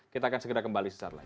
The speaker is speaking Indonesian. kita akan segera kembali sesaat lagi